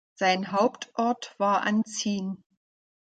Sein Hauptort war Anzin.